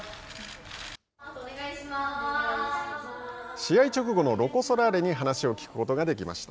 試合直後のロコ・ソラーレに話を聞くことができました。